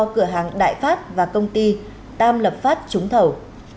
cửa hàng đại pháp và công ty tam lập phát trúng thầu